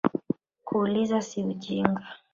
Kuuliza si ujinga